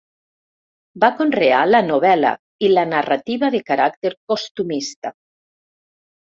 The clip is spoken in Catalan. Va conrear la novel·la i la narrativa de caràcter costumista.